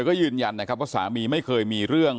ก็ยืนยันนะครับว่าสามีไม่เคยมีเรื่อง